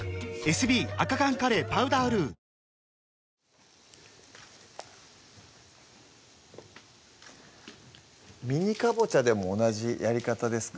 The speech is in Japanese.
はいミニかぼちゃでも同じやり方ですか？